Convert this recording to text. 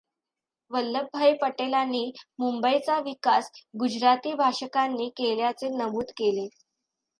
वल्लभभाई पटेलांनी मुंबईचा विकास गुजराती भाषकांनी केल्याचे नमूद केले.